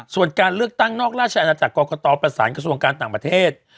ส่วนการเลือกตั้งนอกราชอาณาจักรตประสานกระทรวงการต่างประเทศ